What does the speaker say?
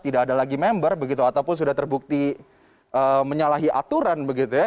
tidak ada lagi member ataupun sudah terbukti menyalahi aturan